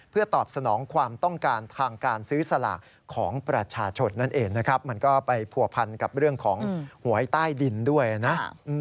เพื่อตอบสนองความต้องการทางการซื้อสลากของประชาชนนั่นเองนะครับ